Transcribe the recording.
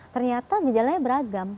ternyata gejalanya beragam